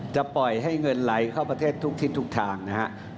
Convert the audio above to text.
ปล่อยให้เงินไหลเข้าประเทศทุกทิศทุกทางนะครับ